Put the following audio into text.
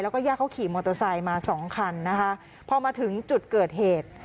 แล้วก็ญาติเขาขี่มอเตอร์ไซค์มาสองคันนะคะพอมาถึงจุดเกิดเหตุ